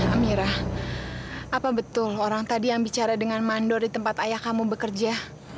amira apa betul orang tadi yang bicara dengan mandor di tempat ayah kamu bekerja